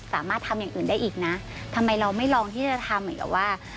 สามารถทำอย่างอื่นได้อีกนะทำไมเราไม่ลองที่จะทำเหมือนกับว่า